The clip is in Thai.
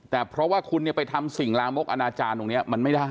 แต่เพราะว่าคุณเนี่ยไปทำสิ่งลามกอนาจารย์ตรงนี้มันไม่ได้